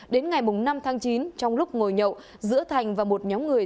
đến ngày năm tháng chín trong lúc ngồi nhậu giữa thành và một nhóm người